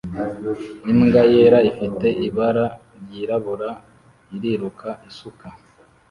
Imbwa yera ifite ibara ryirabura iriruka isuka